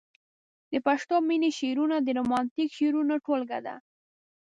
د پښتو مينې شعرونه د رومانتيک شعرونو ټولګه ده.